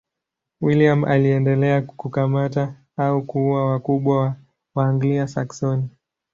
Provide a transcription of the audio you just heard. William aliendelea kukamata au kuua wakubwa wa Waanglia-Saksoni.